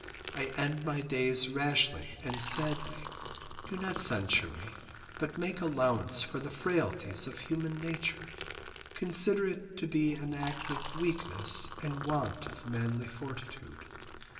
I end my days rashly and sadly, do not censure me, but make allowance for the frailties of human nature, consider it to be an act of weakness and want of manly fortitude.